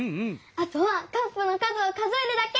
あとはカップの数を数えるだけ！